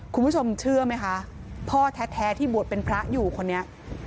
คุณผู้ชมเชื่อไหมคะพ่อแท้ที่บวชเป็นพระอยู่คนนี้